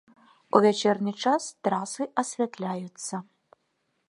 У вячэрні час трасы асвятляюцца.